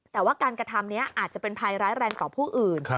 แต่ว่าการกระทำนี้อาจจะเป็นภัยร้ายแรงต่อผู้อื่น